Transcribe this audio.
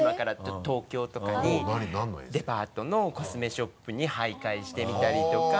デパートのコスメショップに徘徊してみたりとか。